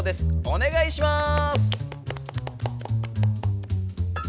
おねがいします！